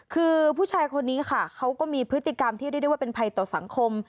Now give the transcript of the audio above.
คือผู้ชายคนนี้ค่ะเขาก็มีพฤติกรรมที่เรียกได้ว่าเป็นภัยต่อสังคม